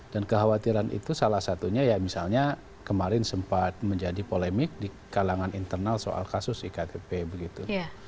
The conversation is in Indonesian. kekhawatiran itu salah satunya ya misalnya kemarin sempat menjadi polemik di kalangan internal soal kasus iktp begitu